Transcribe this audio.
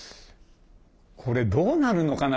これどうなるのかな？